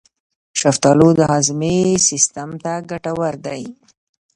شفتالو د هاضمې سیستم ته ګټور دی.